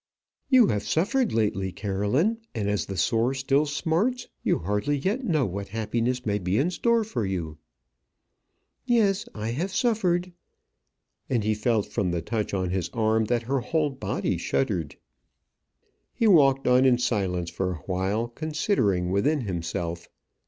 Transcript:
"You have suffered lately, Caroline; and as the sore still smarts, you hardly yet know what happiness may be in store for you." "Yes; I have suffered," and he felt from the touch on his arm that her whole body shuddered. He walked on in silence for awhile considering within himself.